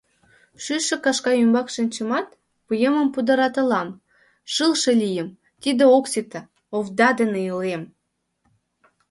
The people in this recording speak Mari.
Шӱйшӧ кашка ӱмбак шинчымат, вуемым пудыратылам: шылше лийым, тиде ок сите — овда дене илем.